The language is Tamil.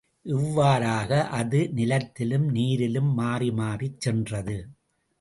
இவ்வாறாக அது நிலத்திலும் நீரிலும் மாறிமாறிச் சென்றது.